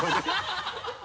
ハハハ